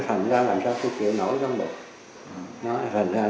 thành ra làm sao tôi chịu nổi không được